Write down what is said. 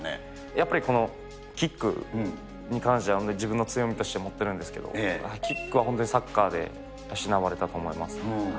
やっぱりこのキックに関しては本当、自分の強みとして持ってるんですけど、キックは本当、サッカーで養われたと思います。